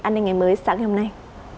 an ninh ngày mới sáng hôm nay